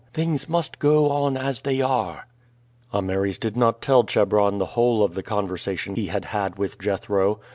Things must go on as they are." Ameres did not tell Chebron the whole of the conversation he had had with Jethro.